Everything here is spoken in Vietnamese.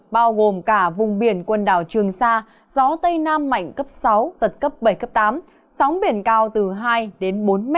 bao gồm cả vùng biển quần đảo trường sa gió tây nam mạnh cấp sáu giật cấp bảy cấp tám sóng biển cao từ hai đến bốn m